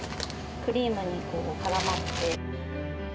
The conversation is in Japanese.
クリームにからまって。